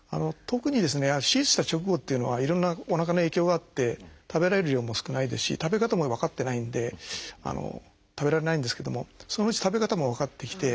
特に手術した直後っていうのはいろんなおなかの影響があって食べられる量も少ないですし食べ方も分かってないんで食べられないんですけどもそのうち食べ方も分かってきて